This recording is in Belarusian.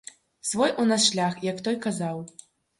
Свой у нас шлях, як той казаў!